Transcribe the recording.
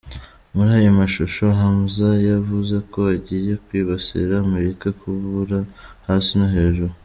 Muri ayo mashusho, Hamza yavuze ko agiye kwibasira Amerika kubura hasi no hejuru.